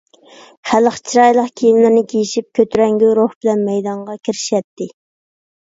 خەلق چىرايلىق كىيىملىرىنى كىيىشىپ كۆتۈرەڭگۈ روھ بىلەن مەيدانغا كىرىشەتتى.